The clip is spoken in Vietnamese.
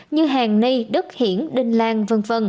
như hàng ni đức hiển đinh lan v v